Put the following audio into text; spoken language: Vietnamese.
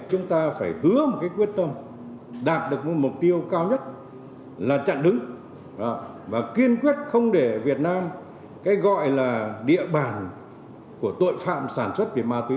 chúng ta phải hứa một cái quyết tâm đạt được mục tiêu cao nhất là chặn đứng và kiên quyết không để việt nam cái gọi là địa bàn của tội phạm sản xuất về ma túy